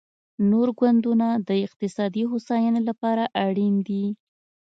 نور ګوندونه د اقتصادي هوساینې لپاره اړین دي